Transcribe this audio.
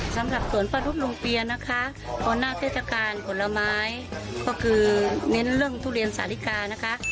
สำหรับสวนป้าทุบลุงเปียนะคะหัวหน้าเทศกาลผลไม้ก็คือเน้นเรื่องทุเรียนสาฬิกานะคะ